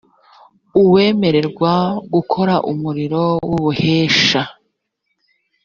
uwemererwa gukora umurimo w ubuhesha